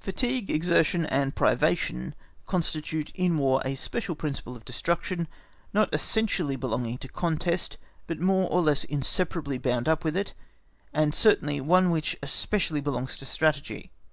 Fatigue, exertion, and privation constitute in War a special principle of destruction, not essentially belonging to contest, but more or less inseparably bound up with it, and certainly one which especially belongs to Strategy.